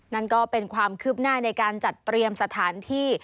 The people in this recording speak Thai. นั่นก็เป็นความคืบหน้าในการจัดเตรียมสถานที่